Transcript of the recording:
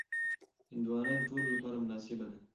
هندوانه د ټولو لپاره مناسبه ده.